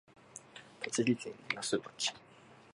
栃木県那須町